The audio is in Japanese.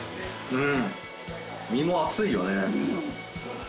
うん。